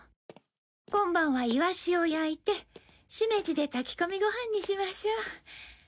今晩はイワシを焼いてしめじで炊き込みご飯にしましょう。